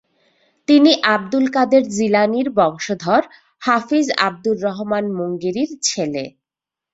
তিনি আব্দুল কাদের জিলানির বংশধর হাফিজ আবদুর রহমান মুঙ্গেরী ছেলে।